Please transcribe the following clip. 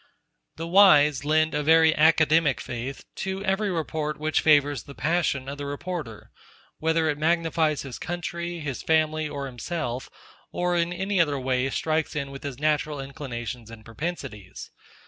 The wise lend a very academic faith to every report which favours the passion of the reporter; whether it magnifies his country, his family, or himself, or in any other way strikes in with his natural inclinations and propensities.